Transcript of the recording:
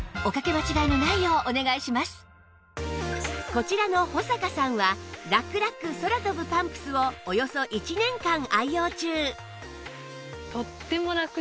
こちらの保坂さんはラックラック空飛ぶパンプスをおよそ１年間愛用中